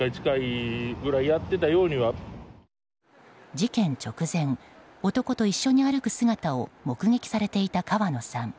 事件直前、男と一緒に歩く姿を目撃されていた川野さん。